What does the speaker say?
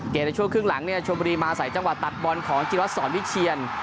ในช่วงครึ่งหลังเนี่ยชมบุรีมาใส่จังหวะตัดบอลของจิรวัตรสอนวิเชียน